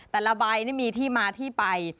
แต่ละใบนี่มีที่มาที่ไป